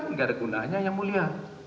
enggak ada gunanya yang mulia